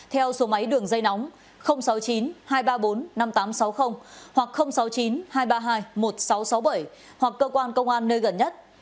theo số máy đường dây nóng sáu mươi chín hai trăm ba mươi bốn năm nghìn tám trăm sáu mươi hoặc sáu mươi chín hai trăm ba mươi hai một nghìn sáu trăm sáu mươi bảy hoặc cơ quan công an nơi gần nhất